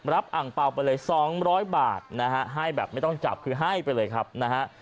อังเปล่าไปเลย๒๐๐บาทนะฮะให้แบบไม่ต้องจับคือให้ไปเลยครับนะฮะ